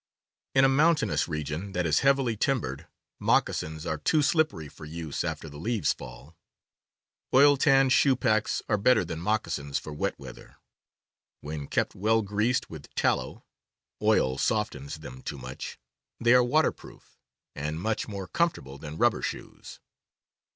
In a mountainous region that is heavily timbered, moccasins are too slippery for use after the leaves fall. Oil tanned shoe packs are better than moccasins for wet weather. When kept well greased with tallow (oil " P k " d softens them too much) they are water « <5Vi ir » proof, and much more comfortable than rubber shoes.